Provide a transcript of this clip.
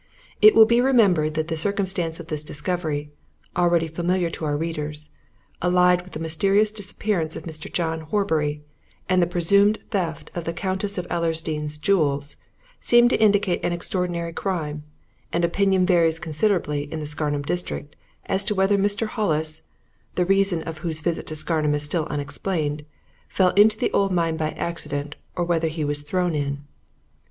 It will be remembered that the circumstances of this discovery already familiar to our readers allied with the mysterious disappearance of Mr. John Horbury, and the presumed theft of the Countess of Ellersdeane's jewels, seem to indicate an extraordinary crime, and opinion varies considerably in the Scarnham district as to whether Mr. Hollis the reason of whose visit to Scarnham is still unexplained fell into the old mine by accident, or whether he was thrown in.